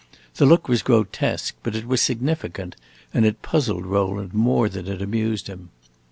The look was grotesque, but it was significant, and it puzzled Rowland more than it amused him.